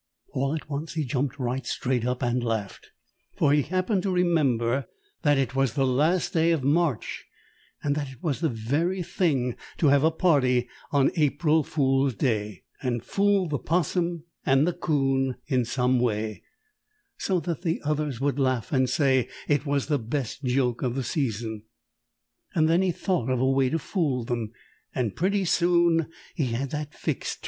All at once he jumped right straight up and laughed, for he happened to remember that it was the last day of March, and that it was the very thing to have a party on April fool day, and fool the 'Possum and the 'Coon in some way, so that the others would laugh and say it was the best joke of the season. Then he thought of a way to fool them, and pretty soon he had that fixed, too.